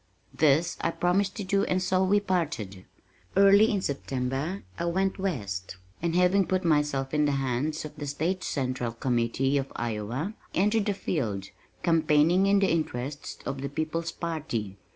This I promised to do and so we parted. Early in September I went west and having put myself in the hands of the State Central Committee of Iowa, entered the field, campaigning in the interests of the People's Party.